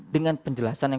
dengan penjelasan yang